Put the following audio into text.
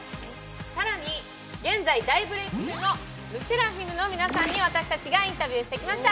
更に現在大ブレイク中のＬＥＳＳＥＲＡＦＩＭの皆さんに私たちがインタビューしてきました。